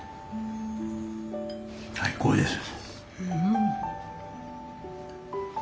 最高です。